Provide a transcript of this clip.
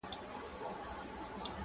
ورته ایښی د مغول د حلوا تال دی-